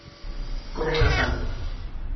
como una santa.